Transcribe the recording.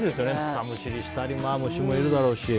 草むしりしたり虫もいるだろうし。